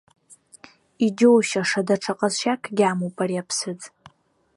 Иџьоушьаша даҽа ҟазшьакгьы амоуп ари аԥсыӡ.